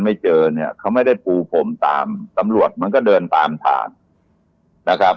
ไม่เจอเขาไม่ได้ปูผมตามสำรวจมันก็เดินตามทาง